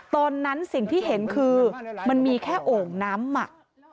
ตอนนั้นสิ่งที่เห็นคือมันมีแค่โอ่งน้ำหมัก